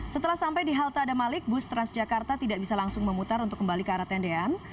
setelah sampai di halte adamalik bus transjakarta tidak bisa langsung memutar untuk kembali ke arah tendean